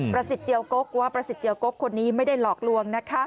ประสิทธิ์เตียวก๊กว่าประสิทธิ์เตียวก๊กคุณีไม่ได้หลอกลวง